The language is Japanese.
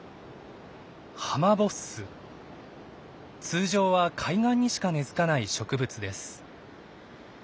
通常は海岸にしか根づかない植物です。